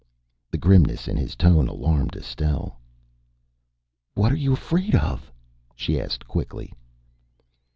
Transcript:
The grimness in his tone alarmed Estelle. "What are you afraid of?" she asked quickly.